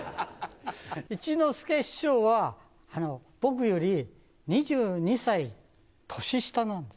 一之輔師匠は、僕より２２歳年下なんです。